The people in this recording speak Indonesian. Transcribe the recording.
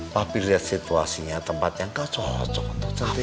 papi liat situasinya tempat yang gak cocok untuk centini